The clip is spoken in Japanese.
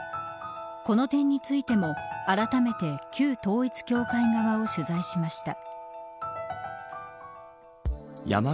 この点についてもあらためて旧統一教会側を取材しました。